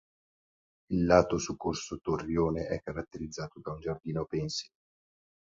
Il lato su Corso Torrione è caratterizzato da un giardino pensile.